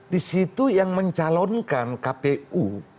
di situ yang mencalonkan kpu